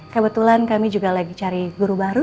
kebetulan kami juga lagi cari guru baru